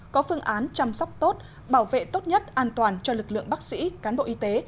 có phương án chăm sóc tốt bảo vệ tốt nhất an toàn cho lực lượng bác sĩ cán bộ y tế